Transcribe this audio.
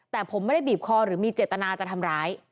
แต่ผมไม่ได้บีบคอหรือมีเจตนาจะทำร้าย